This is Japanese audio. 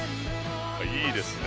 いいですね。